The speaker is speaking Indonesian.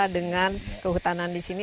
dengan kehutanan disini